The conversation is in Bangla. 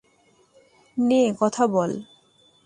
নে কথা বল!